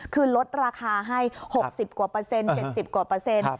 คือลดราคาให้๖๐กว่าเปอร์เซ็น๗๐กว่าเปอร์เซ็นต์